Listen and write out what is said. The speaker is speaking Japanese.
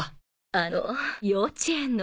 あの幼稚園の。